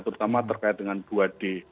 terutama terkait dengan dua d